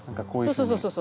そうそうそうそう！